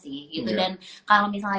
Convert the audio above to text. sih gitu dan kalau misalnya